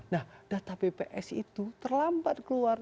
nah data bps itu terlambat keluar